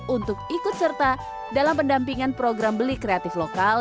untuk ikut serta dalam pendampingan program beli kreatif lokal